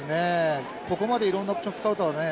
ここまでいろんなオプション使うとはね